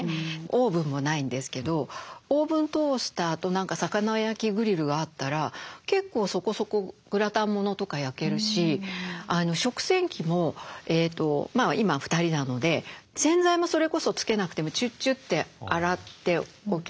オーブンもないんですけどオーブントースターと魚焼きグリルがあったら結構そこそこグラタンものとか焼けるし食洗器も今は２人なので洗剤もそれこそつけなくてもチュッチュッて洗っておけるんですね。